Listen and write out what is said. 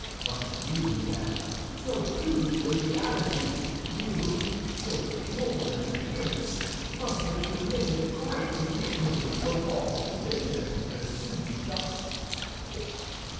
But you, madame, so beautiful in reality, you, so pure in appearance, must have committed great iniquities for Lord de Winter to pursue you thus."